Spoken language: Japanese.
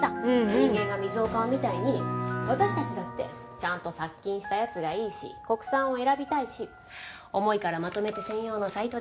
人間が水を買うみたいに私たちだってちゃんと殺菌したやつがいいし国産を選びたいし重いからまとめて専用のサイトで買うし。